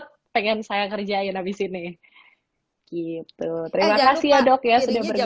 terima kasih ya dok ya